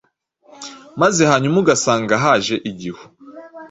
maze hanyuma ugasanga haje igihu